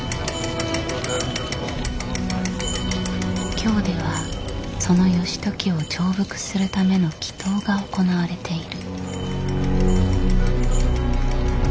京ではその義時を調伏するための祈とうが行われている。